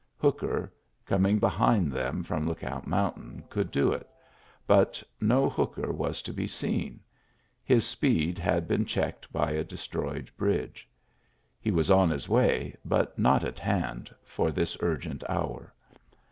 Hooker^ coming behind them from Lookout Mountain^ could do it ; but no Hooker was to be seen. His speed had been checked by a destroyed bridge. He was on his way, but not at hand for this urgent hour.